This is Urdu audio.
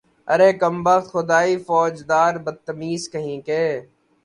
ارے کم بخت، خدائی فوجدار، بدتمیز کہیں کے